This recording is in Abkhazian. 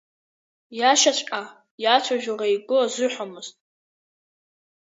Иашьаҵәҟьа иацәажәара игәы азыҳәомызт.